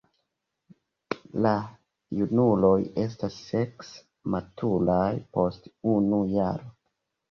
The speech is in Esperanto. La junuloj estas sekse maturaj post unu jaro.